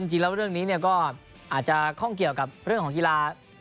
จริงแล้วเรื่องนี้ก็อาจจะข้องเกี่ยวกับเรื่องของกีฬา